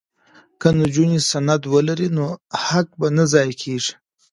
که نجونې سند ولري نو حق به نه ضایع کیږي.